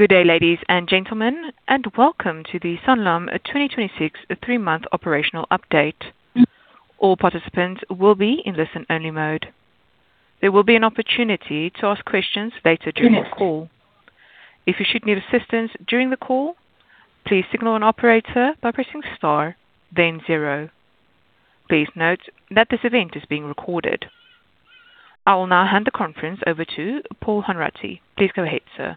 Good day, ladies and gentlemen, and welcome to the Sanlam 2026 three-month operational update. All participants will be in listen-only mode. There will be an opportunity to ask questions later during this call. If you should need assistance during the call, please signal an operator by pressing star then zero. Please note that this event is being recorded. I will now hand the conference over to Paul Hanratty. Please go ahead, sir.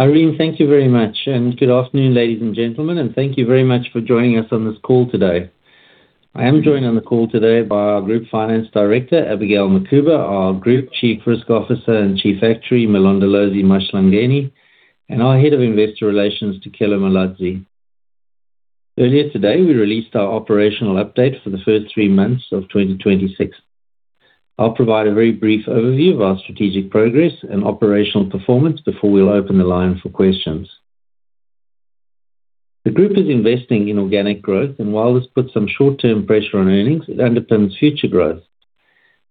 Irene, thank you very much. Good afternoon, ladies and gentlemen, and thank you very much for joining us on this call today. I am joined on the call today by our Group Finance Director, Abigail Mukhuba, our Group Chief Risk Officer and Chief Actuary, Mlondolozi Mahlangeni, and our Head of Investor Relations, Tukelo Malatsi. Earlier today, we released our operational update for the first three months of 2026. I'll provide a very brief overview of our strategic progress and operational performance before we'll open the line for questions. The group is investing in organic growth, while this puts some short-term pressure on earnings, it underpins future growth.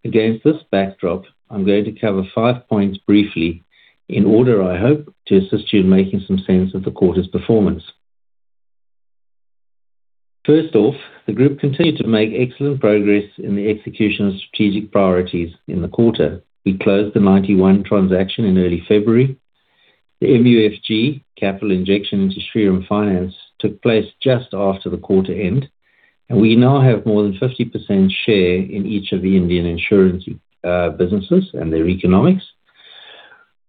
Against this backdrop, I'm going to cover five points briefly in order, I hope, to assist you in making some sense of the quarter's performance. First off, the group continued to make excellent progress in the execution of strategic priorities in the quarter. We closed the Ninety One transaction in early February. The MUFG capital injection into Shriram Finance took place just after the quarter end, and we now have more than 50% share in each of the Indian insurance businesses and their economics.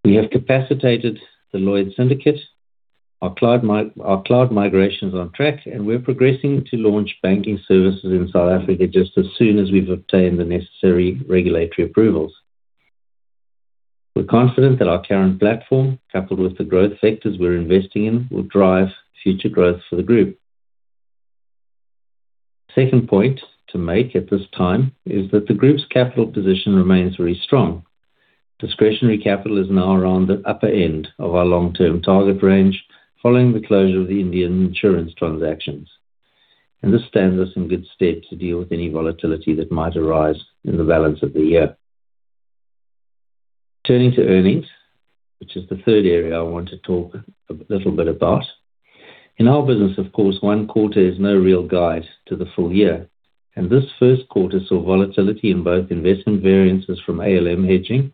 We have capacitated the Lloyd's Syndicate. Our cloud migration is on track, and we're progressing to launch banking services in South Africa just as soon as we've obtained the necessary regulatory approvals. We're confident that our current platform, coupled with the growth sectors we're investing in, will drive future growth for the group. Second point to make at this time is that the group's capital position remains very strong. Discretionary capital is now around the upper end of our long-term target range, following the closure of the Indian insurance transactions. This stands us in good stead to deal with any volatility that might arise in the balance of the year. Turning to earnings, which is the third area I want to talk a little bit about. In our business, of course, one quarter is no real guide to the full year. This first quarter saw volatility in both investment variances from ALM hedging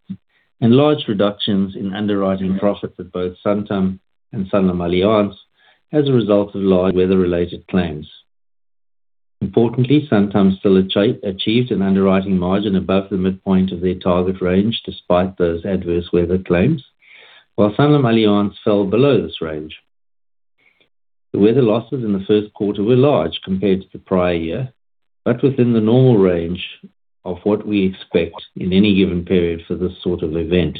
and large reductions in underwriting profits at both Sanlam and SanlamAllianz as a result of large weather-related claims. Importantly, Sanlam still achieved an underwriting margin above the midpoint of their target range despite those adverse weather claims. While SanlamAllianz fell below this range. The weather losses in the first quarter were large compared to the prior year, but within the normal range of what we expect in any given period for this sort of event.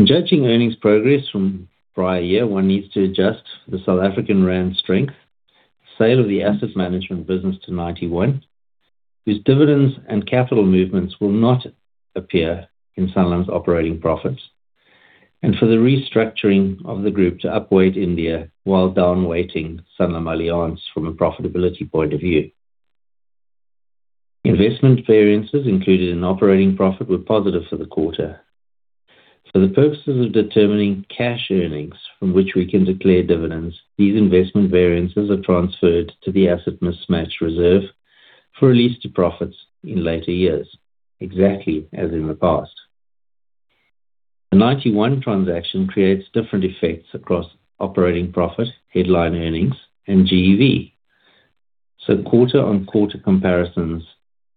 In judging earnings progress from prior year, one needs to adjust the South African rand strength, sale of the asset management business to Ninety One, whose dividends and capital movements will not appear in Sanlam's operating profits, and for the restructuring of the group to upweight India while downweighting SanlamAllianz from a profitability point of view. Investment variances included in operating profit were positive for the quarter. For the purposes of determining cash earnings from which we can declare dividends, these investment variances are transferred to the asset mismatch reserve for release to profits in later years, exactly as in the past. The Ninety One transaction creates different effects across operating profit, headline earnings and GEV. Quarter-on-quarter comparisons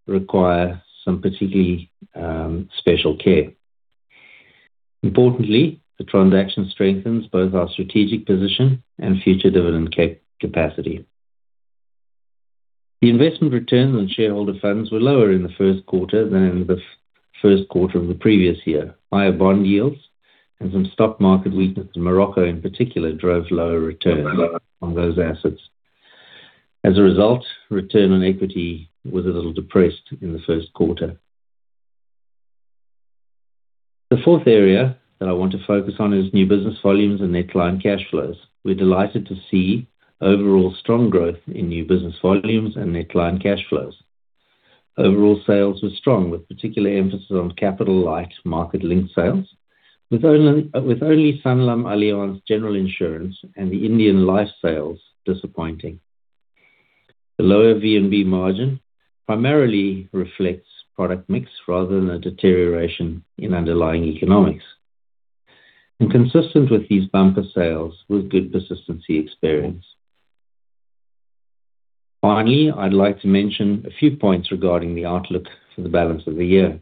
require some particularly special care. Importantly, the transaction strengthens both our strategic position and future dividend capacity. The investment returns on shareholder funds were lower in the first quarter than in the first quarter of the previous year. Higher bond yields and some stock market weakness in Morocco in particular drove lower returns on those assets. As a result, return on equity was a little depressed in the first quarter. The fourth area that I want to focus on is new business volumes and net client cash flows. We're delighted to see overall strong growth in new business volumes and net client cash flows. Overall sales were strong, with particular emphasis on capital like market-linked sales, with only SanlamAllianz general insurance and the Indian life sales disappointing. The lower VNB margin primarily reflects product mix rather than a deterioration in underlying economics. Consistent with these bumper sales was good persistency experience. Finally, I'd like to mention a few points regarding the outlook for the balance of the year.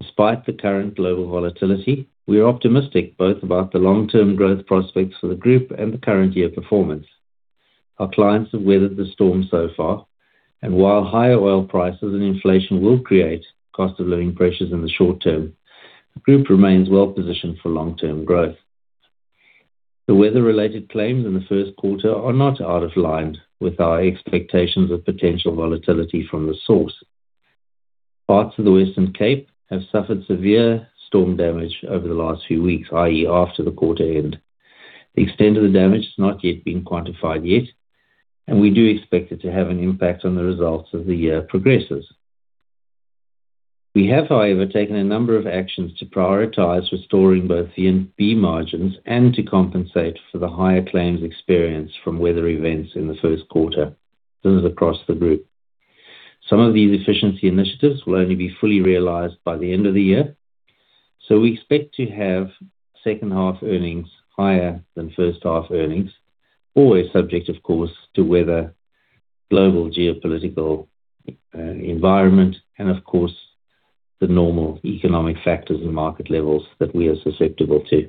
Despite the current global volatility, we are optimistic both about the long-term growth prospects for the group and the current year performance. Our clients have weathered the storm so far, and while higher oil prices and inflation will create cost of living pressures in the short term, the group remains well-positioned for long-term growth. The weather-related claims in the first quarter are not out of line with our expectations of potential volatility from the source. Parts of the Western Cape have suffered severe storm damage over the last few weeks, i.e., after the quarter end. The extent of the damage has not yet been quantified yet. We do expect it to have an impact on the results as the year progresses. We have, however, taken a number of actions to prioritize restoring both VNB margins and to compensate for the higher claims experience from weather events in the 1st quarter. This is across the group. Some of these efficiency initiatives will only be fully realized by the end of the year. We expect to have second half earnings higher than first half earnings. Always subject, of course, to weather, global geopolitical environment, and of course the normal economic factors and market levels that we are susceptible to.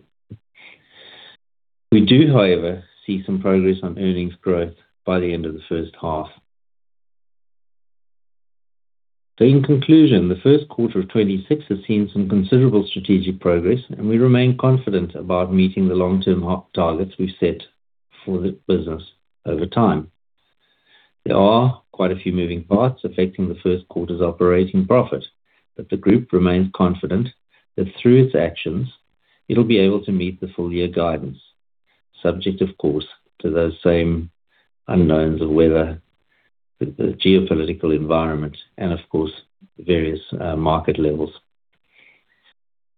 We do, however, see some progress on earnings growth by the end of the first half. In conclusion, the first quarter of 2026 has seen some considerable strategic progress, and we remain confident about meeting the long-term targets we've set for the business over time. There are quite a few moving parts affecting the first quarter's operating profit, the group remains confident that through its actions, it'll be able to meet the full year guidance, subject, of course, to those same unknowns of weather, the geopolitical environment, and of course, various market levels.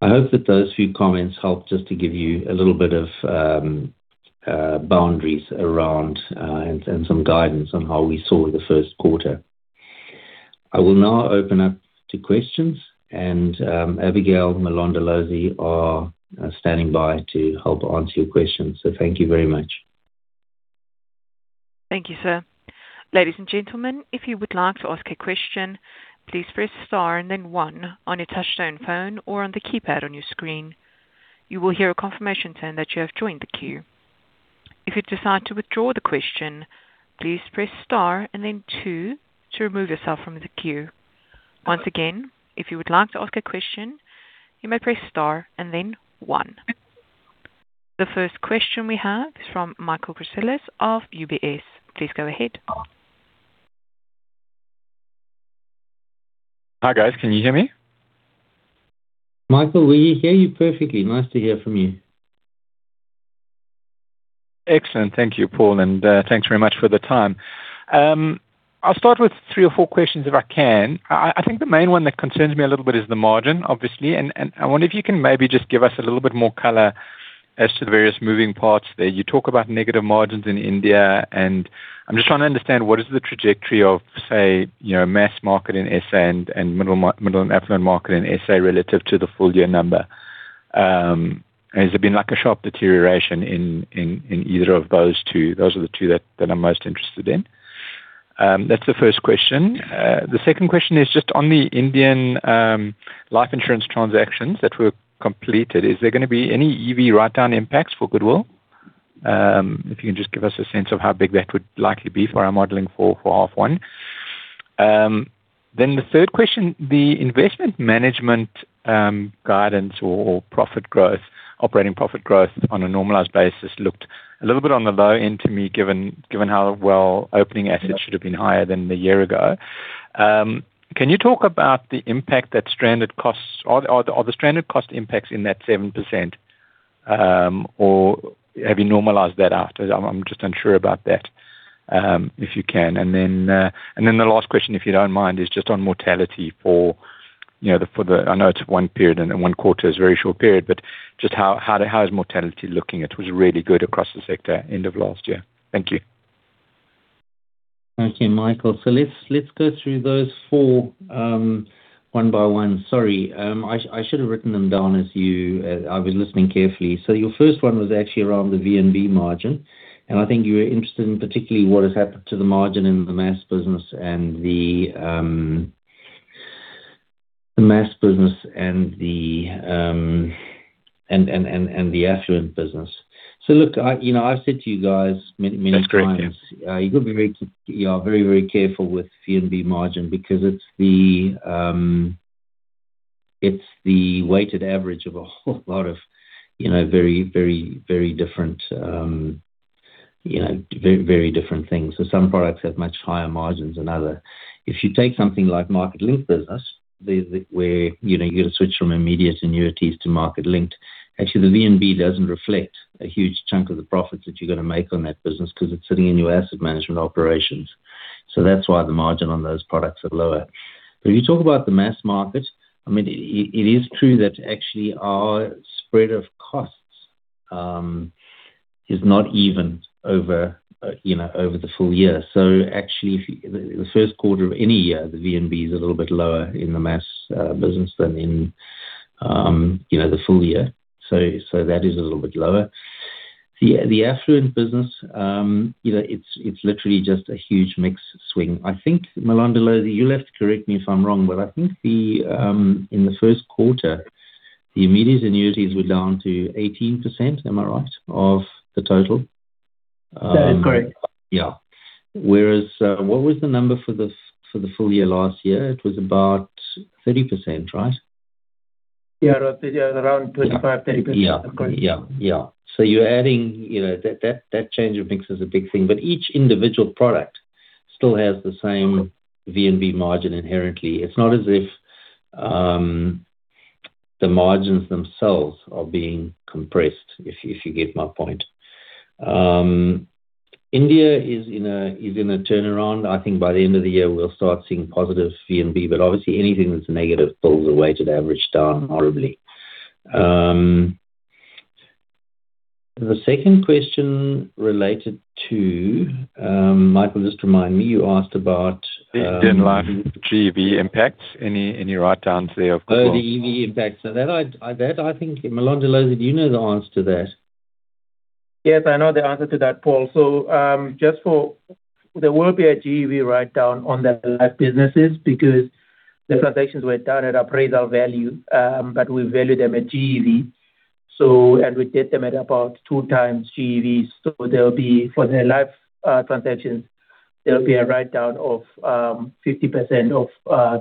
I hope that those few comments helped, just to give you a little bit of boundaries around and some guidance on how we saw the first quarter. I will now open up to questions and Abigail, Mlondolozi Mahlangeni are standing by to help answer your questions. Thank you very much. The first question we have is from Michael Christelis of UBS. Please go ahead. Hi, guys. Can you hear me? Michael, we hear you perfectly. Nice to hear from you. Excellent. Thank you, Paul. Thanks very much for the time. I'll start with three or four questions if I can. I think the main one that concerns me a little bit is the margin, obviously. I wonder if you can maybe just give us a little bit more color as to the various moving parts there. You talk about negative margins in India, and I'm just trying to understand what is the trajectory of, say, mass market in SA and middle and affluent market in SA relative to the full year number. Has there been a sharp deterioration in either of those two? Those are the two that I'm most interested in. That's the first question. The second question is just on the Indian life insurance transactions that were completed. Is there gonna be any EV write-down impacts for goodwill? If you can just give us a sense of how big that would likely be for our modeling for half one. The third question, the investment management guidance or profit growth, operating profit growth on a normalized basis looked a little bit on the low end to me, given how well opening assets should have been higher than the year ago. Can you talk about the impact that stranded cost impacts in that 7%, or have you normalized that out? I'm just unsure about that. If you can. The last question, if you don't mind, is just on mortality for the, I know it's one period and one quarter is a very short period, but just how is mortality looking? It was really good across the sector end of last year. Thank you. Thank you, Michael. Let's go through those four one by one. Sorry. I should have written them down as you I was listening carefully. Your first one was actually around the VNB margin, and I think you were interested in particularly what has happened to the margin in the mass business and the affluent business. Look, I've said to you guys many times. That's great. Yeah. You've got to be very, very careful with VNB margin because it's the weighted average of a whole lot of very, very different things. Some products have much higher margins than other. If you take something like market-linked business, where you're going to switch from immediate annuities to market-linked. Actually, the VNB doesn't reflect a huge chunk of the profits that you're going to make on that business because it's sitting in your asset management operations. That's why the margin on those products are lower. You talk about the mass market. I mean, it is true that actually our spread of costs is not even over the full year. Actually, the first quarter of any year, the VNB is a little bit lower in the mass business than in the full year. That is a little bit lower. The affluent business, it's literally just a huge mix swing. I think, Mlondolozi Mahlangeni, you'll have to correct me if I'm wrong. I think in the first quarter, the immediate annuities were down to 18%, am I right, of the total? That is correct. Yeah. Whereas, what was the number for the full year last year? It was about 30%, right? Yeah. Around 25, 30%. Yeah. That change of mix is a big thing. Each individual product still has the same VNB margin inherently. The margins themselves are being compressed, if you get my point. India is in a turnaround. I think by the end of the year, we'll start seeing positive VNB, but obviously anything that's negative pulls the weighted average down horribly. The second question related to, Michael, just remind me. In life, GEV impacts. Any write-downs there, of course. Oh, the EV impact. That, I think, Mlondolozi Mahlangeni, do you know the answer to that? Yes, I know the answer to that, Paul. There will be a GEV write down on the life businesses because the transactions were done at appraisal value, but we value them at GEV. We did them at about two times GEV. There'll be, for their life transactions, there'll be a write down of 50% of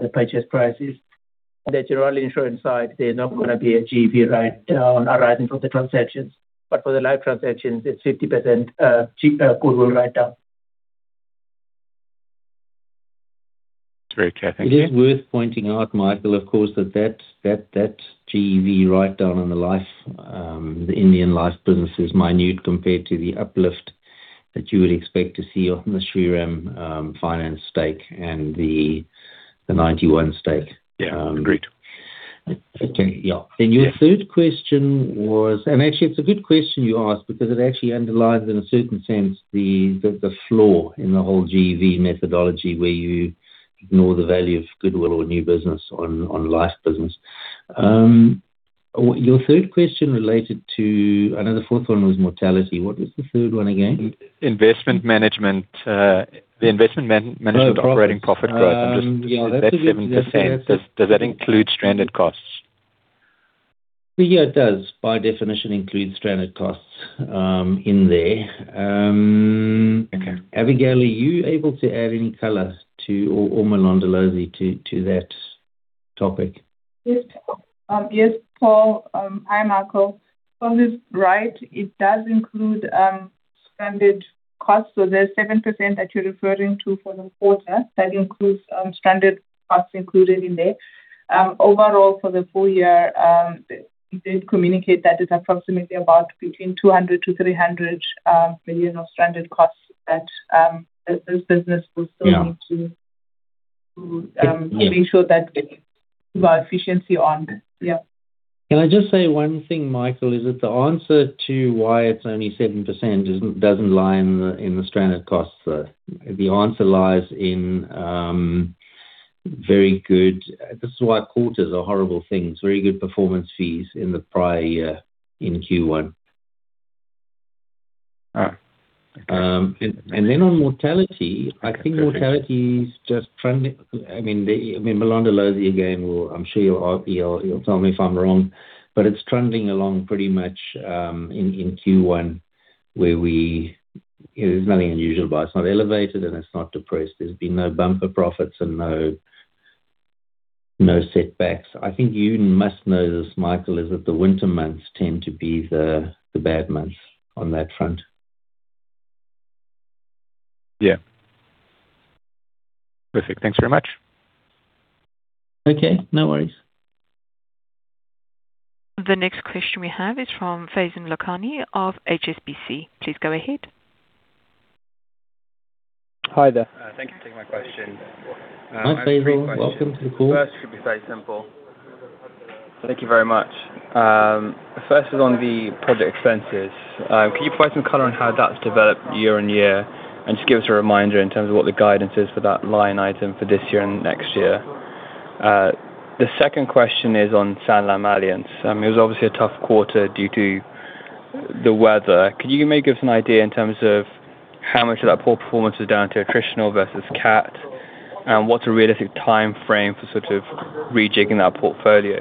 the purchase prices. On the general insurance side, there's not going to be a GEV write down arising from the transactions. For the life transactions, it's 50% goodwill write down. Great. Okay. Thank you. It is worth pointing out, Michael, of course, that GEV write down on the Indian life business is minute compared to the uplift that you would expect to see on the Shriram Finance stake and the Ninety One stake. Yeah. Agreed. Okay. Yeah. Yeah. Your third question was, and actually it's a good question you asked because it actually underlies, in a certain sense, the flaw in the whole GEV methodology where you ignore the value of goodwill or new business on life business. Your third question related to I know the fourth one was mortality. What was the third one again? Investment management. Oh, profits. Operating profit growth. Yeah, that's a good- That 7%. Does that include stranded costs? Yeah, it does, by definition, includes stranded costs in there. Okay. Abigail, are you able to add any color, or Mlondolozi, to that topic? Yes, Paul. Hi, Michael. Paul is right. It does include stranded costs. There's 7% that you're referring to for the quarter. That includes stranded costs included in there. Overall, for the full year, we did communicate that it's approximately about between 200 million-300 million of stranded costs that this business will still need. Yeah To ensure that we are efficiency on. Yeah. Can I just say one thing, Michael, is that the answer to why it's only 7% doesn't lie in the stranded costs, though. This is why quarters are horrible things. The answer lies in very good performance fees in the prior year in Q1. All right. On mortality, I think mortality is just trundling. Mlondolozi Mahlangeni, again, I am sure you will tell me if I am wrong, but it is trundling along pretty much in Q1 where there is nothing unusual about it. It is not elevated, and it is not depressed. There has been no bumper profits and no setbacks. I think you must know this, Michael, is that the winter months tend to be the bad months on that front. Yeah. Perfect. Thanks very much. Okay. No worries. The next question we have is from Faizan Lakhani of HSBC. Please go ahead. Hi there. Thank you for taking my question. Hi, Faizan. Welcome to the call. First should be very simple. Thank you very much. First is on the project expenses. Can you provide some color on how that's developed year-on-year? Just give us a reminder in terms of what the guidance is for that line item for this year and next year. The second question is on SanlamAllianz. It was obviously a tough quarter due to the weather. Could you maybe give us an idea in terms of how much of that poor performance is down to attritional versus CAT, and what's a realistic timeframe for sort of rejigging that portfolio?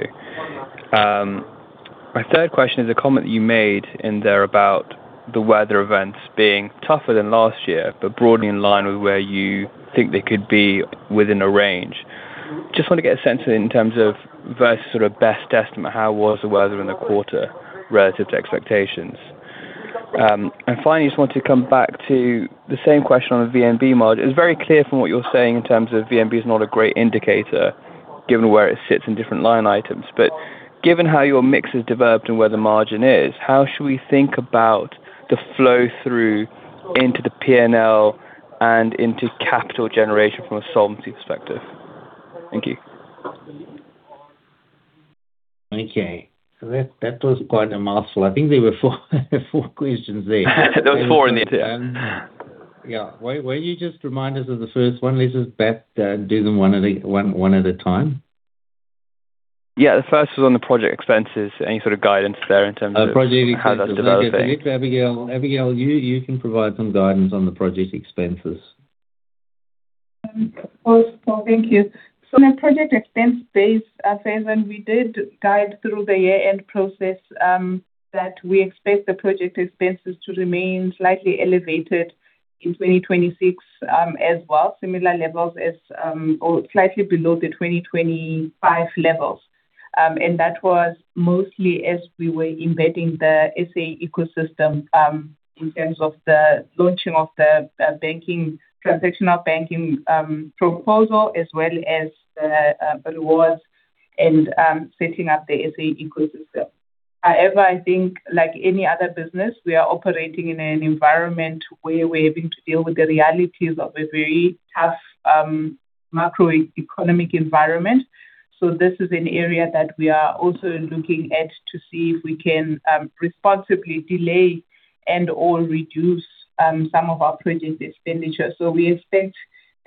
My third question is a comment you made in there about the weather events being tougher than last year, but broadly in line with where you think they could be within a range. Just want to get a sense in terms of versus sort of best estimate, how was the weather in the quarter relative to expectations? Finally, I just wanted to come back to the same question on the VNB model. It's very clear from what you're saying in terms of VNB is not a great indicator given where it sits in different line items. Given how your mix has developed and where the margin is, how should we think about the flow-through into the P&L and into capital generation from a solvency perspective? Thank you. Okay. That was quite a mouthful. I think there were four questions there. There was four in there, yeah. Yeah. Why don't you just remind us of the first one? Let's just bat down and do them one at a time. Yeah. The first was on the project expenses. Any sort of guidance there in terms of how that's developing? Project expenses. Okay. Abigail, you can provide some guidance on the project expenses. Of course, Paul. Thank you. On a project expense base, Faizan, we did guide through the year-end process that we expect the project expenses to remain slightly elevated in 2026 as well, similar levels or slightly below the 2025 levels. That was mostly as we were embedding the SA ecosystem in terms of the launching of the transactional banking proposal, as well as the awards Setting up the SA ecosystem. I think like any other business, we are operating in an environment where we're having to deal with the realities of a very tough macroeconomic environment. This is an area that we are also looking at to see if we can responsibly delay and/or reduce some of our project expenditure. We expect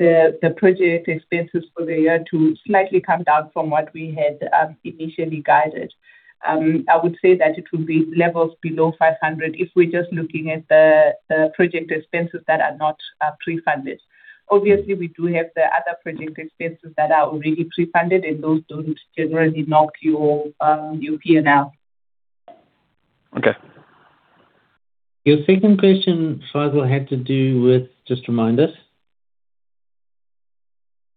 the project expenses for the year to slightly come down from what we had initially guided. I would say that it will be levels below 500 if we're just looking at the project expenses that are not pre-funded. We do have the other project expenses that are already pre-funded, and those don't generally knock your P&L. Okay. Your second question, Faizan, had to do with, just remind us.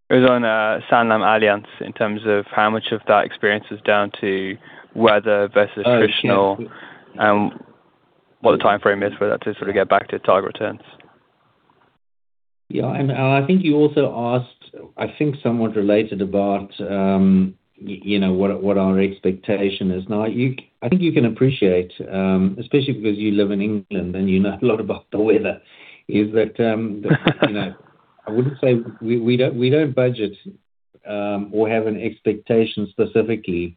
It was on SanlamAllianz in terms of how much of that experience is down to weather versus traditional. Oh, okay. What the timeframe is for that to sort of get back to target returns? Yeah, I think you also asked, I think somewhat related about what our expectation is. Now, I think you can appreciate, especially because you live in England and you know a lot about the weather, I wouldn't say we don't budget or have an expectation specifically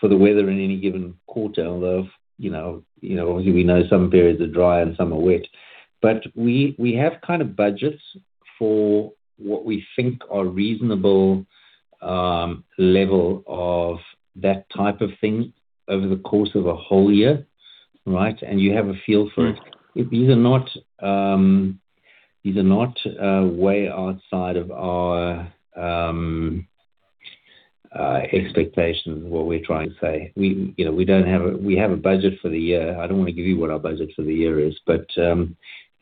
for the weather in any given quarter, although, obviously we know some periods are dry and some are wet. We have kind of budgets for what we think are reasonable level of that type of thing over the course of a whole year, right? You have a feel for it. These are not way outside of our expectation, is what we're trying to say. We have a budget for the year. I don't want to give you what our budget for the year is, but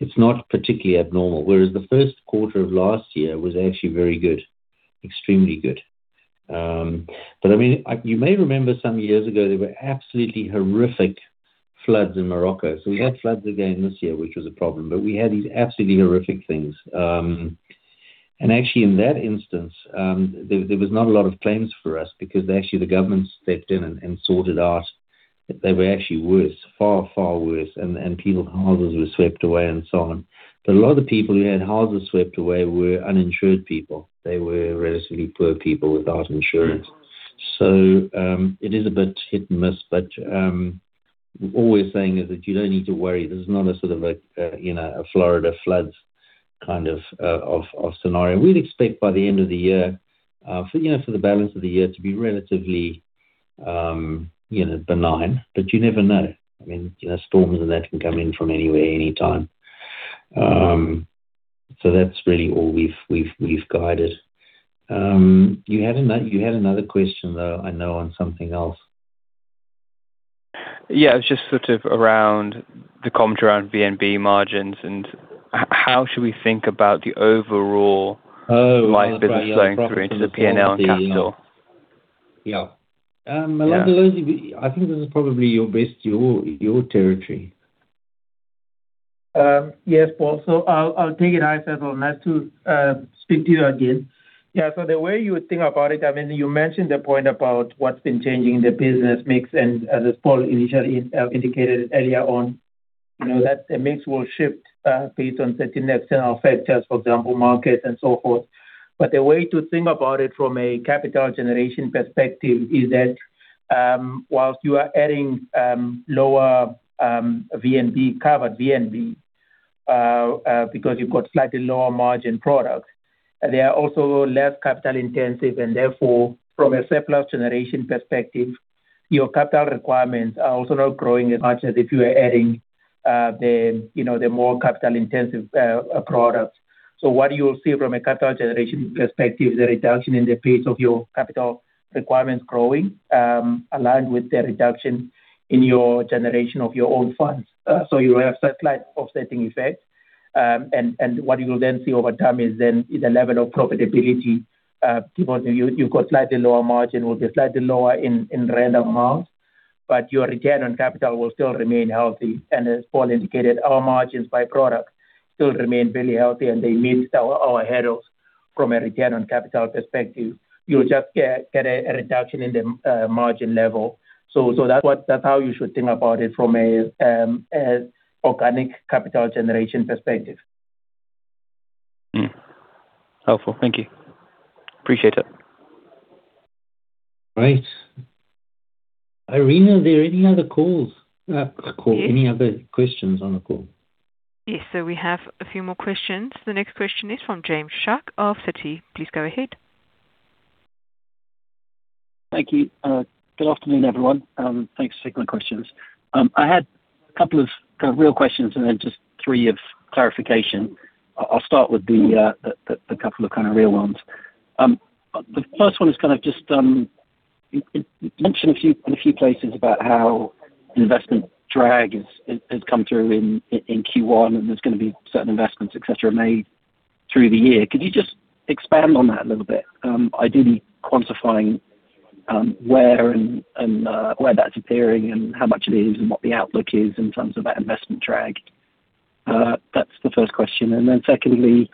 it's not particularly abnormal. The first quarter of last year was actually very good, extremely good. I mean, you may remember some years ago, there were absolutely horrific floods in Morocco. We had floods again this year, which was a problem, but we had these absolutely horrific things. Actually, in that instance, there was not a lot of claims for us because actually the government stepped in and sorted out. They were actually worse, far, far worse, and people's houses were swept away and so on. A lot of the people who had houses swept away were uninsured people. They were relatively poor people without insurance. It is a bit hit-and-miss. All we're saying is that you don't need to worry. This is not a sort of a Florida floods kind of scenario. We'd expect by the end of the year, for the balance of the year to be relatively benign. You never know. I mean, storms and that can come in from anywhere, anytime. That's really all we've guided. You had another question, though, I know, on something else. It was just sort of around the commentary around VNB margins and how should we think about the overall. Oh life business flowing through into the P&L of capital. Yeah. Yeah. Mlondolozi, I think this is probably your best, your territory. Yes, Paul. I'll take it. Hi, Faizan. Nice to speak to you again. The way you would think about it, I mean, you mentioned the point about what's been changing in the business mix, and as Paul initially indicated earlier on, that the mix will shift based on certain external factors, for example, market and so forth. The way to think about it from a capital generation perspective is that, whilst you are adding lower VNB, covered VNB, because you've got slightly lower margin products. They are also less capital-intensive and therefore, from a surplus generation perspective, your capital requirements are also not growing as much as if you were adding the more capital-intensive products. What you will see from a capital generation perspective is a reduction in the pace of your capital requirements growing, aligned with the reduction in your generation of your own funds. You will have a slight offsetting effect. What you will then see over time is the level of profitability. Because you've got slightly lower margin, will be slightly lower in rand amounts, but your return on capital will still remain healthy. As Paul indicated, our margins by product still remain very healthy, and they meet our hurdles from a return on capital perspective. You'll just get a reduction in the margin level. That's how you should think about it from an organic capital generation perspective. Helpful. Thank you. Appreciate it. Great. Irene, are there any other questions on the call? Yes. We have a few more questions. The next question is from James Shuck of Citi. Please go ahead. Thank you. Good afternoon, everyone. Thanks for taking the questions. I had a couple of kind of real questions and then just three of clarification. I'll start with the couple of kind of real ones. The first one is kind of just, you mentioned in a few places about how investment drag has come through in Q1, and there's going to be certain investments, et cetera, made through the year. Could you just expand on that a little bit? Ideally, quantifying where that's appearing and how much it is and what the outlook is in terms of that investment drag. That's the first question. Secondly,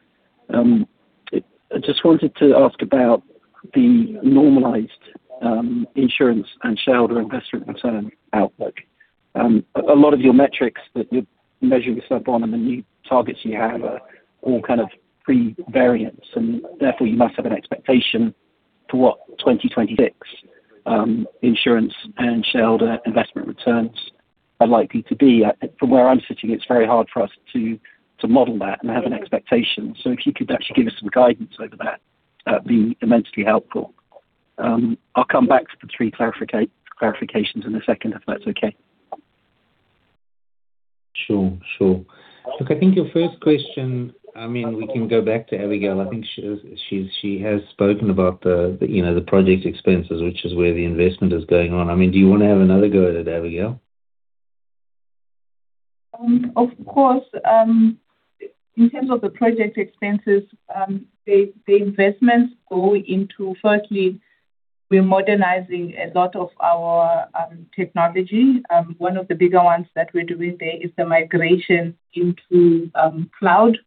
I just wanted to ask about the normalized insurance and shareholder investment return outlook. A lot of your metrics that you measure yourself on and the new targets you have are all kind of pre-variance. Therefore, you must have an expectation to what 2026 insurance and shareholder investment returns are likely to be. From where I'm sitting, it's very hard for us to model that and have an expectation. If you could actually give us some guidance over that'd be immensely helpful. I'll come back for three clarifications in a second, if that's okay. Sure. Look, I think your first question, we can go back to Abigail. I think she has spoken about the project expenses, which is where the investment is going on. Do you want to have another go at it, Abigail? Of course. In terms of the project expenses, the investments go into, firstly, we're modernizing a lot of our technology. One of the bigger ones that we're doing there is the migration into cloud.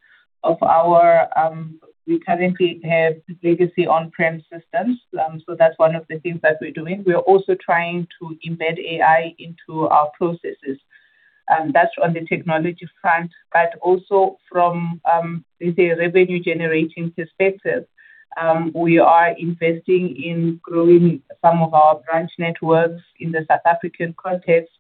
We currently have legacy on-prem systems. That's one of the things that we're doing. We are also trying to embed AI into our processes. That's on the technology front. Also from, let's say, a revenue-generating perspective, we are investing in growing some of our branch networks in the South African context,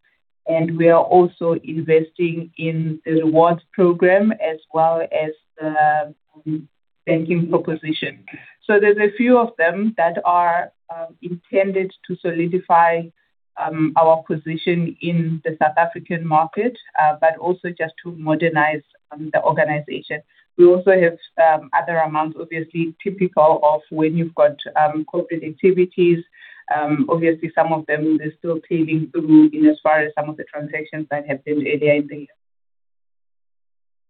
and we are also investing in the rewards program, as well as the banking proposition. There's a few of them that are intended to solidify our position in the South African market, but also just to modernize the organization. We also have other amounts, obviously, typical of when you've got corporate activities. Obviously, some of them, they're still feeding through in as far as some of the transactions that have been identified.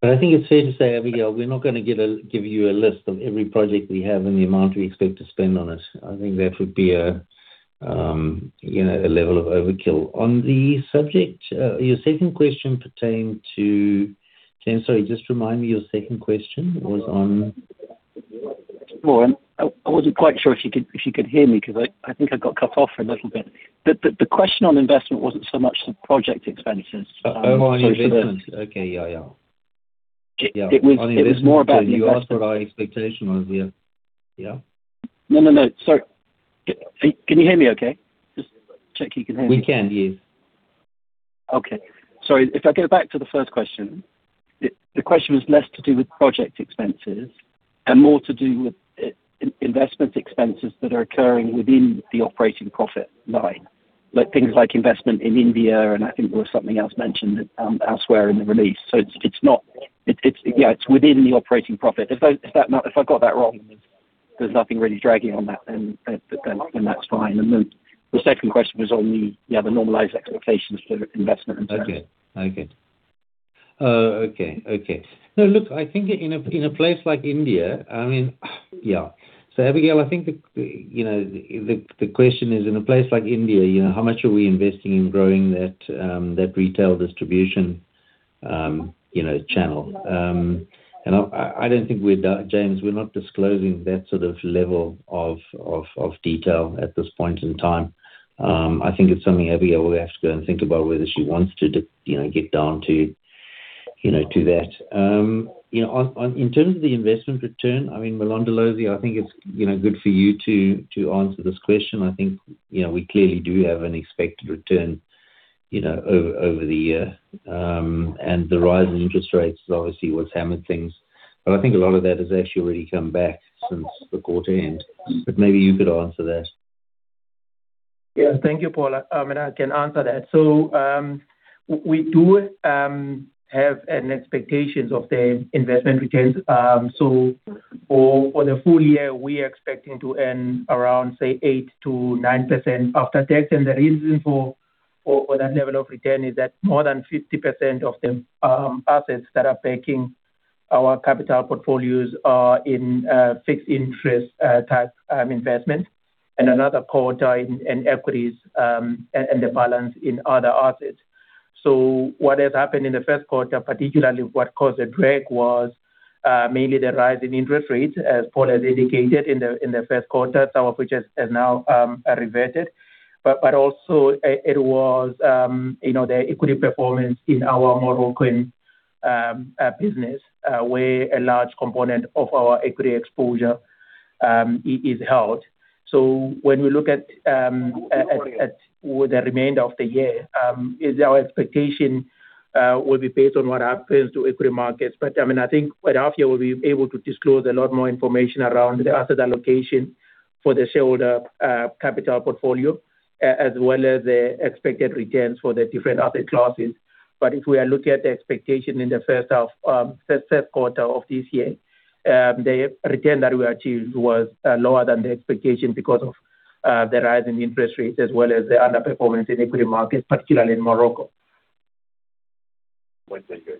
I think it's fair to say, Abigail, we're not going to give you a list of every project we have and the amount we expect to spend on it. I think that would be a level of overkill. On the subject, your second question pertained to. Sorry, just remind me your second question. It was on. Well, I wasn't quite sure if you could hear me because I think I got cut off for a little bit. The question on investment wasn't so much the project expenses. Oh, on investment. Okay. Yeah. It was more about the investment. On investment, you asked what our expectation was. Yeah. No. Sorry. Can you hear me okay? Just check you can hear me. We can, yes. Okay. Sorry. If I go back to the first question, the question was less to do with project expenses and more to do with investment expenses that are occurring within the operating profit line. Things like investment in India, and I think there was something else mentioned elsewhere in the release. It's within the operating profit. If I got that wrong, there's nothing really dragging on that, then that's fine. The second question was on the normalized expectations for investment return. No, look, I think in a place like India, I mean, yeah. Abigail, I think the question is, in a place like India, how much are we investing in growing that retail distribution channel? I don't think, James Shuck, we're not disclosing that sort of level of detail at this point in time. I think it's something Abigail will have to go and think about whether she wants to get down to that. In terms of the investment return, Mulondolozi, I think it's good for you to answer this question. I think we clearly do have an expected return over the year. The rise in interest rates is obviously what's hammered things. I think a lot of that has actually already come back since the quarter end. Maybe you could answer that. Yeah. Thank you, Paul. I mean, I can answer that. We do have an expectations of the investment returns. For the full year, we are expecting to earn around, say, 8%-9% after tax. The reason for that level of return is that more than 50% of the assets that are backing our capital portfolios are in fixed interest type investment. Another quarter in equities, and the balance in other assets. What has happened in the first quarter, particularly what caused the drag was mainly the rise in interest rates, as Paul has indicated, in the first quarter, some of which has now reverted. Also, it was the equity performance in our Morocco business, where a large component of our equity exposure is held. When we look at the remainder of the year, our expectation will be based on what happens to equity markets. I think later here we will be able to disclose a lot more information around the asset allocation for the shareholder capital portfolio, as well as the expected returns for the different asset classes. If we are looking at the expectation in the first quarter of this year, the return that we achieved was lower than the expectation because of the rise in interest rates, as well as the underperformance in equity markets, particularly in Morocco. Wednesday, good.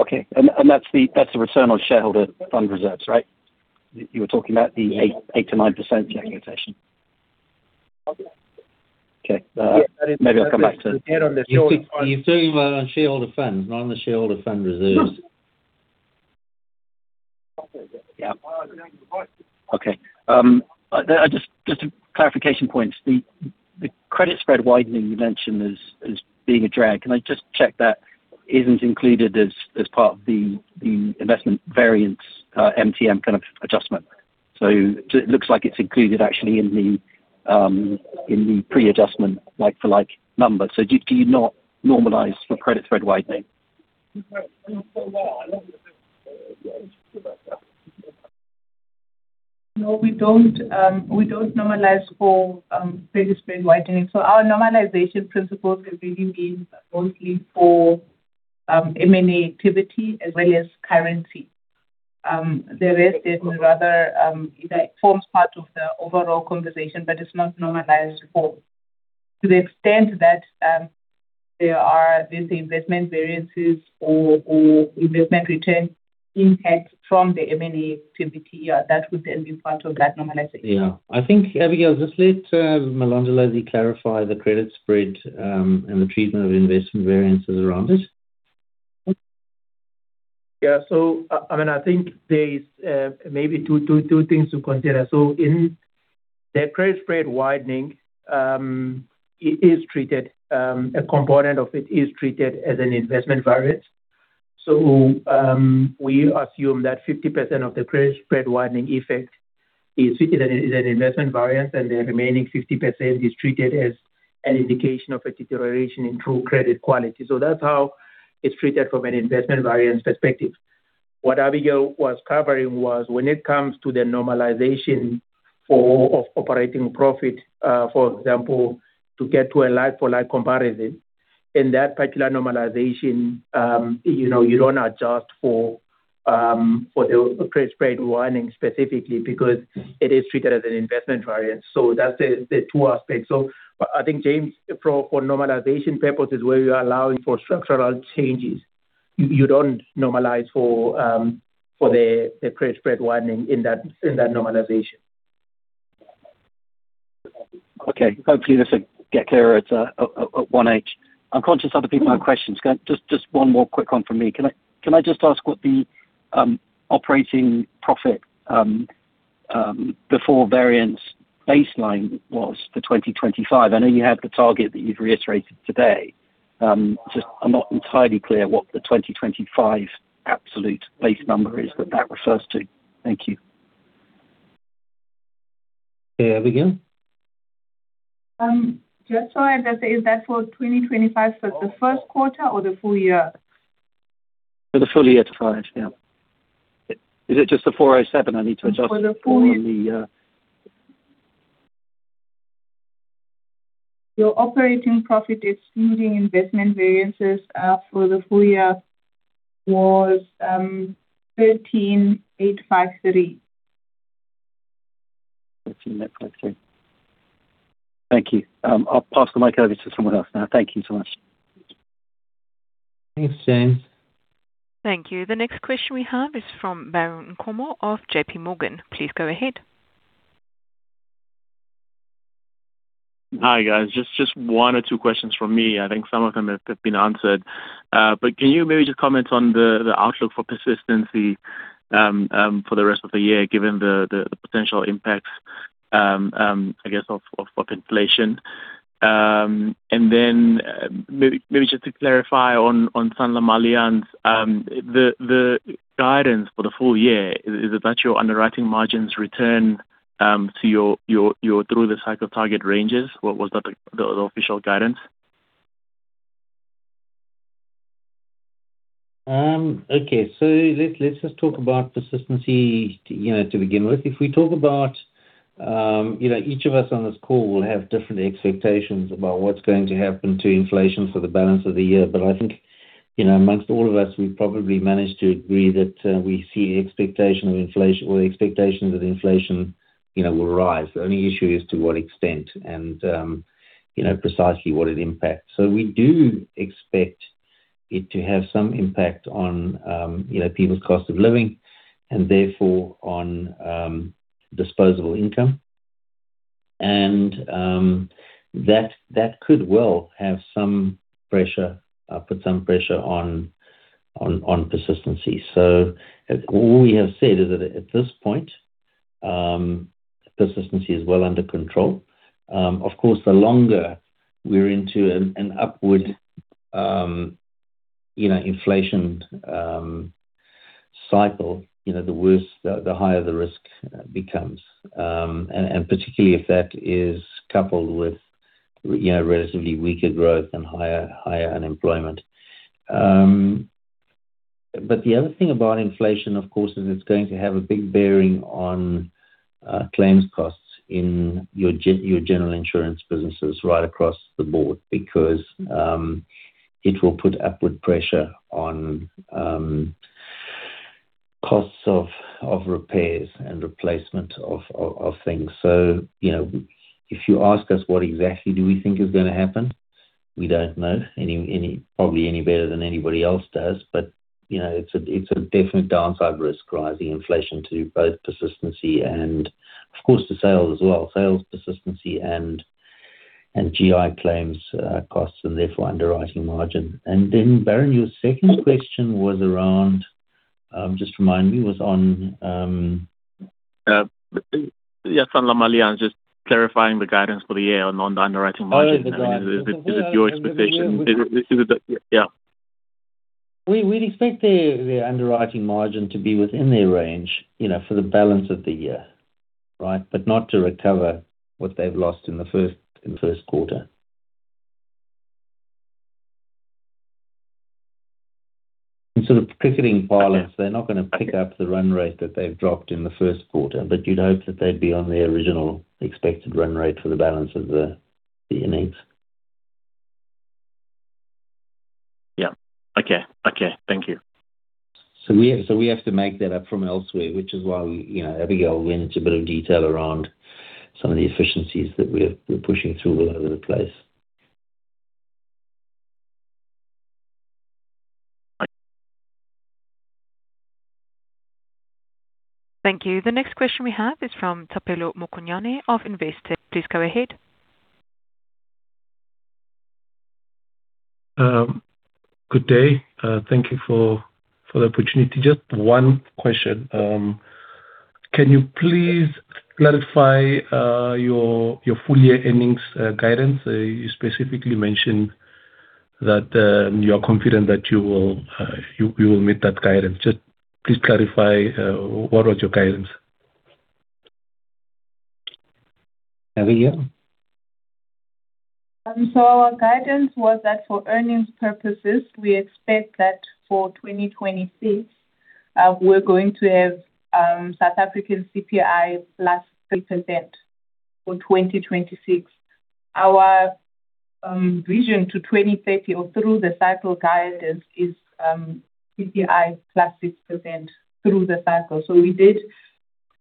Okay. That's the return on shareholder fund reserves, right? You were talking about the 8%-9% expectation. Okay. You're talking about on shareholder fund, not on the shareholder fund reserves. Yeah. Okay. Just clarification points. The credit spread widening you mentioned as being a drag. Can I just check that isn't included as part of the investment variance MTM kind of adjustment? It looks like it's included actually in the pre-adjustment like for like numbers. Do you not normalize for credit spread widening? No, we don't normalize for credit spread widening. Our normalization principles are really aimed mostly for M&A activity as well as currency. The rest is rather forms part of the overall conversation, but it's not normalized for. To the extent that there are these investment variances or investment return impacts from the M&A activity that would then be part of that normalization. Yeah. I think, Abigail, just let Mlondolozi clarify the credit spread, and the treatment of investment variances around it. I think there is maybe two things to consider. In the credit spread widening, a component of it is treated as an investment variance. We assume that 50% of the credit spread widening effect is treated as an investment variance, and the remaining 50% is treated as an indication of a deterioration in true credit quality. That's how it's treated from an investment variance perspective. What Abigail was covering was when it comes to the normalization for operating profit, for example, to get to a like for like comparison. In that particular normalization, you don't adjust for the credit spread widening specifically because it is treated as an investment variance. That's the two aspects. I think James, for normalization purposes, where you're allowing for structural changes, you don't normalize for the credit spread widening in that normalization. Okay. Hopefully, this will get clearer at 1H. I'm conscious other people have questions. Just one more quick one from me. Can I just ask what the operating profit, before variance baseline was for 2025? I know you have the target that you've reiterated today. I'm not entirely clear what the 2025 absolute base number is that that refers to. Thank you. Abigail. Just so I can say, is that for 2025 for the first quarter or the full year? For the full year, yeah. Is it just the 407 I need to adjust for the? Your operating profit excluding investment variances for the full year was 13,853. Thank you. I'll pass the mic over to someone else now. Thank you so much. Thanks, James. Thank you. The next question we have is from Baron Nkomo of JPMorgan. Please go ahead. Hi, guys. Just one or two questions from me. I think some of them have been answered. Can you maybe just comment on the outlook for persistency for the rest of the year, given the potential impacts, I guess, of inflation? Maybe just to clarify on SanlamAllianz, the guidance for the full year, is it that your underwriting margins return, through the cycle target ranges? Was that the official guidance? Okay. Let's just talk about persistency to begin with. If we talk about, each of us on this call will have different expectations about what's going to happen to inflation for the balance of the year. I think, amongst all of us, we probably manage to agree that we see the expectation of inflation or the expectations that inflation will rise. The only issue is to what extent and precisely what it impacts. We do expect it to have some impact on people's cost of living and therefore on disposable income. That could well put some pressure on persistency. All we have said is that at this point, persistency is well under control. Of course, the longer we're into an upward inflation cycle, the higher the risk becomes. Particularly if that is coupled with relatively weaker growth and higher unemployment. The other thing about inflation, of course, is it's going to have a big bearing on claims costs in your general insurance businesses right across the board because, it will put upward pressure on costs of repairs and replacement of things. If you ask us what exactly do we think is going to happen. We don't know, probably any better than anybody else does. It's a definite downside risk rising inflation to both persistency and, of course, to sales as well, sales persistency and GI claims costs, and therefore underwriting margin. Then, Baron, your second question was around, just remind me. Yeah, Sanlam and just clarifying the guidance for the year on the underwriting margin. Oh, yeah, the guidance. What is your expectation? We'd expect their underwriting margin to be within their range for the balance of the year. Right? Not to recover what they've lost in the first quarter. In sort of cricketing parlance, they're not going to pick up the run rate that they've dropped in the first quarter. You'd hope that they'd be on their original expected run rate for the balance of the innings. Yeah. Okay. Thank you. We have to make that up from elsewhere, which is why Abigail went into a bit of detail around some of the efficiencies that we're pushing through all over the place. Thank you. The next question we have is from Thapelo Mokonyane of Investec. Please go ahead. Good day. Thank you for the opportunity. Just one question. Can you please clarify your full year earnings guidance? You specifically mentioned that you are confident that you will meet that guidance. Just please clarify what was your guidance. Abigail. Our guidance was that for earnings purposes, we expect that for 2026, we're going to have South African CPI plus 3% for 2026. Our vision to 2030 or through the cycle guidance is CPI plus 6% through the cycle. We did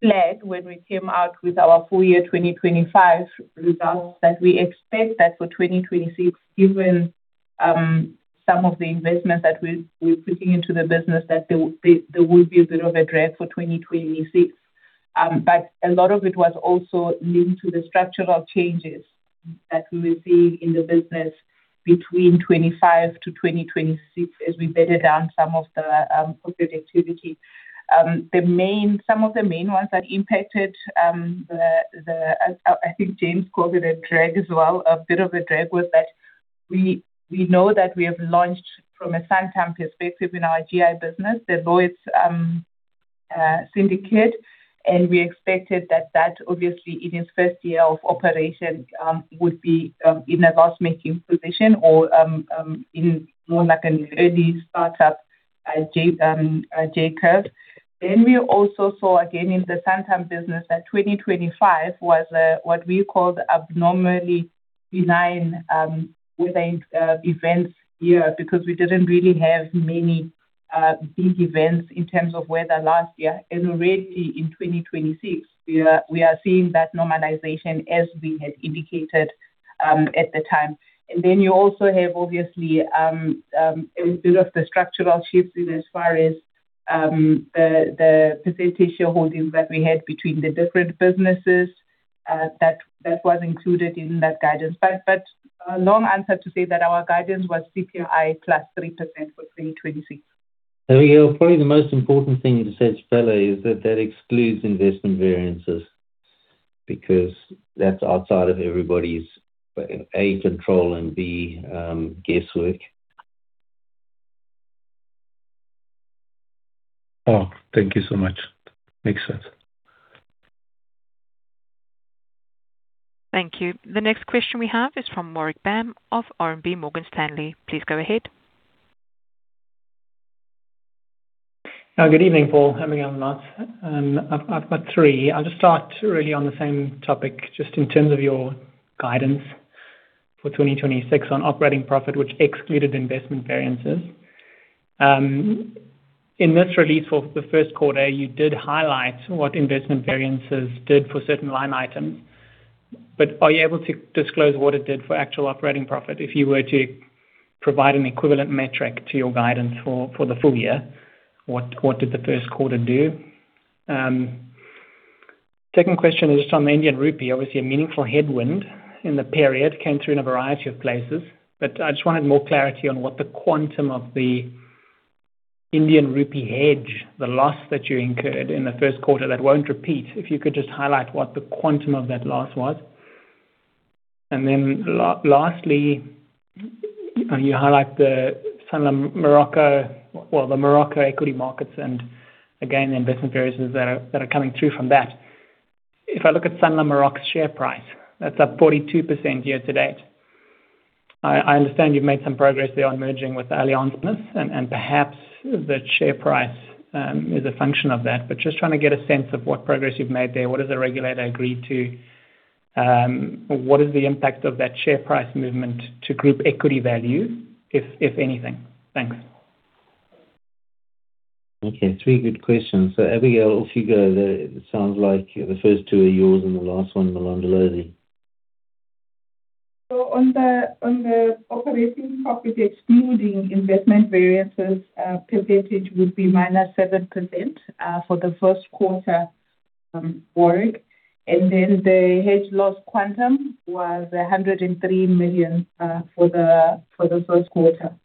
flag when we came out with our full year 2025 results that we expect that for 2026, given some of the investments that we're putting into the business, that there will be a bit of a drag for 2026. A lot of it was also linked to the structural changes that we were seeing in the business between 2025 to 2026 as we bedded down some of the corporate activity. Some of the main ones that impacted, I think James called it a drag as well. A bit of a drag was that we know that we have launched from a Sanlam perspective in our GI business, the Lloyd's Syndicate, and we expected that that obviously in its first year of operation, would be in a loss-making position or in more like an early startup J curve. We also saw, again, in the Sanlam business that 2025 was what we call the abnormally benign weather events year because we didn't really have many big events in terms of weather last year. Already in 2026, we are seeing that normalization as we had indicated at the time. You also have obviously, a bit of the structural shifts in as far as the percentage shareholdings that we had between the different businesses, that was included in that guidance. Long answer to say that our guidance was CPI plus 3% for 2026. Abigail, probably the most important thing to say, Thapelo, is that that excludes investment variances because that's outside of everybody's, A, control and B, guesswork. Oh, thank you so much. Makes sense. Thank you. The next question we have is from Warwick Bam of RMB Morgan Stanley. Please go ahead. Good evening, Paul, Abigail and Lance. I've got three. I'll just start really on the same topic, just in terms of your guidance for 2026 on operating profit, which excluded investment variances. In this release for the first quarter, you did highlight what investment variances did for certain line items, but are you able to disclose what it did for actual operating profit? If you were to provide an equivalent metric to your guidance for the full year, what did the first quarter do? Second question is just on the Indian rupee. Obviously, a meaningful headwind in the period came through in a variety of places, but I just wanted more clarity on what the quantum of the Indian rupee hedge, the loss that you incurred in the first quarter that won't repeat. If you could just highlight what the quantum of that loss was. Lastly, you highlight the Sanlam Maroc equity markets and again, the investment variances that are coming through from that. If I look at Sanlam Maroc's share price, that's up 42% year-to-date. I understand you've made some progress there on merging with Allianz Partners and perhaps the share price is a function of that. Just trying to get a sense of what progress you've made there. What has the regulator agreed to? What is the impact of that share price movement to group equity value, if anything? Thanks. Okay, three good questions. Abigail, off you go. It sounds like the first two are yours and the last one, Mlondolozi. On the operating profit excluding investment variances, percentage would be -7% for the first quarter, Warwick. Then the hedge loss quantum was 103 million for the first quarter.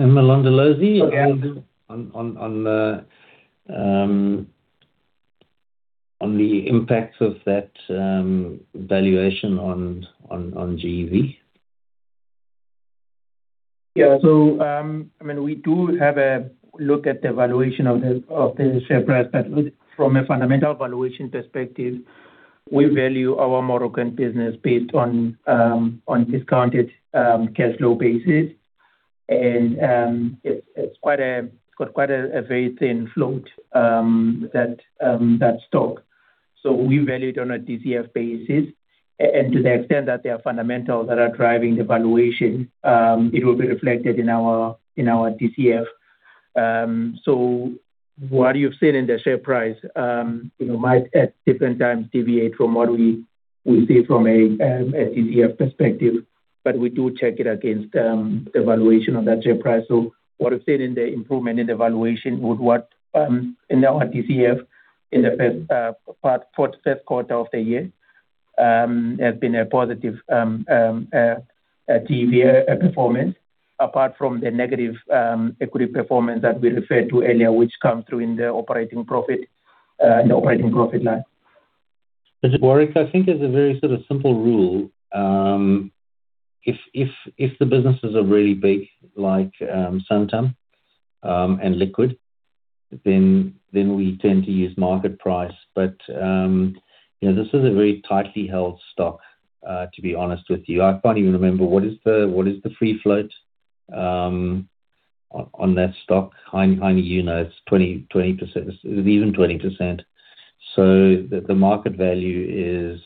Mlondolozi Okay. On the impacts of that valuation on GEV. We do have a look at the valuation of the share price. From a fundamental valuation perspective, we value our Moroccan business based on discounted cash flow basis. It's got quite a very thin float, that stock. We value it on a DCF basis. To the extent that there are fundamentals that are driving the valuation, it will be reflected in our DCF. What you've seen in the share price might at different times deviate from what we see from a DCF perspective. We do check it against the valuation of that share price. What we've seen in the improvement in the valuation with what, in our DCF in the first quarter of the year, has been a positive TV performance, apart from the negative equity performance that we referred to earlier, which comes through in the operating profit line. Warwick, I think there's a very sort of simple rule. If the businesses are really big, like Sanlam, and liquid, then we tend to use market price. This is a very tightly held stock, to be honest with you. I can't even remember, what is the free float on that stock? Heinie, you know it's even 20%. The market value is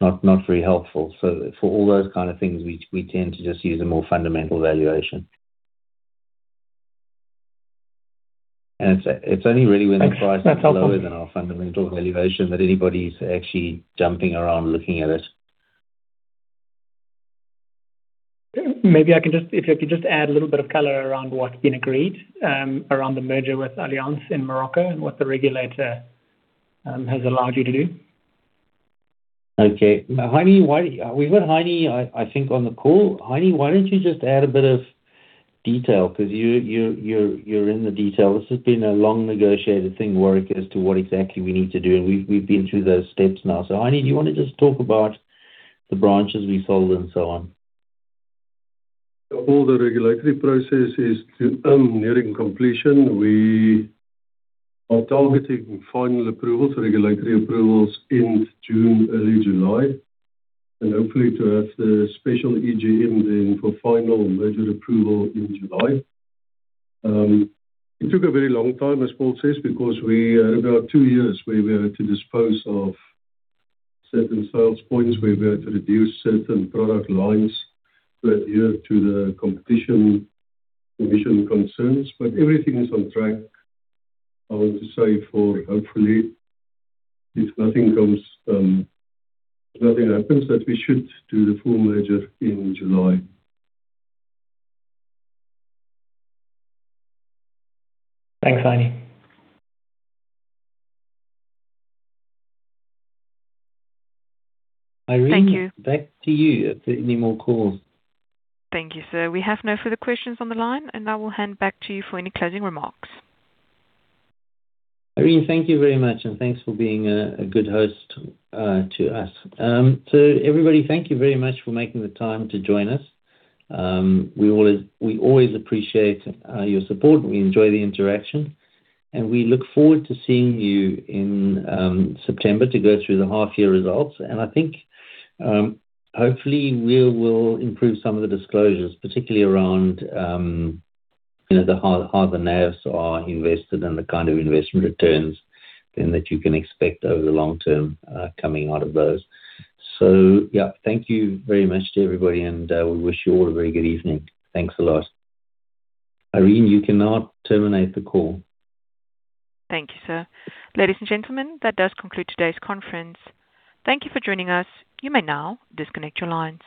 not very helpful. For all those kind of things, we tend to just use a more fundamental valuation. It's only really when the price is lower than our fundamental valuation that anybody's actually jumping around looking at it. Maybe if you could just add a little bit of color around what's been agreed, around the merger with Allianz in Morocco, and what the regulator has allowed you to do. Okay. We've got Heinie, I think, on the call. Heinie, why don't you just add a bit of detail because you're in the detail. This has been a long negotiated thing, Warwick, as to what exactly we need to do, and we've been through those steps now. Heinie, do you want to just talk about the branches we sold and so on? All the regulatory process is nearing completion. We are targeting final approvals, regulatory approvals, end June, early July. Hopefully to have the special EGM then for final merger approval in July. It took a very long time, as Paul says, because we had about two years where we had to dispose of certain sales points. We've had to reduce certain product lines to adhere to the competition commission concerns. Everything is on track. I want to say for hopefully, if nothing happens, that we should do the full merger in July. Thanks, Heinie. Irene. Thank you. Back to you. If there are any more calls. Thank you, sir. We have no further questions on the line, and I will hand back to you for any closing remarks. Irene, thank you very much, and thanks for being a good host to us. Everybody, thank you very much for making the time to join us. We always appreciate your support. We enjoy the interaction. We look forward to seeing you in September to go through the half year results. I think, hopefully, we will improve some of the disclosures, particularly around how the NAVs are invested and the kind of investment returns, then that you can expect over the long term, coming out of those. Yeah. Thank you very much to everybody, and we wish you all a very good evening. Thanks a lot. Irene, you can now terminate the call. Thank you, sir. Ladies and gentlemen, that does conclude today's conference. Thank you for joining us. You may now disconnect your line.